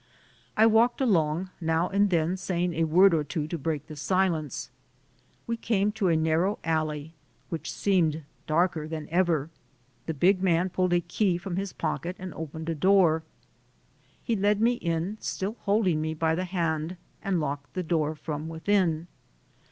I walked along, now and then saying a word or two to break the silence. We came to a narrow alley, which seemed darker than ever. The big man pulled a key from his pocket and opened a door. He led me in, still hold ing me by the hand, and locked the door from within.